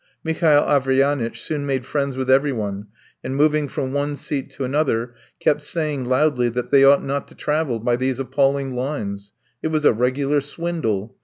Mihail Averyanitch soon made friends with everyone, and moving from one seat to another, kept saying loudly that they ought not to travel by these appalling lines. It was a regular swindle!